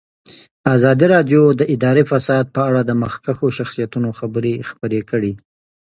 ازادي راډیو د اداري فساد په اړه د مخکښو شخصیتونو خبرې خپرې کړي.